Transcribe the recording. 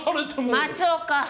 松岡！